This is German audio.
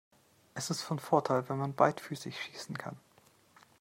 Es ist von Vorteil, wenn man beidfüßig schießen kann.